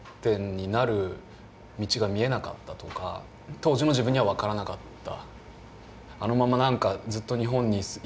当時の自分には分からなかった。